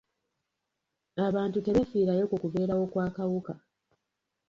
Abantu tebeefiirayo ku kubeerawo kw'akawuka.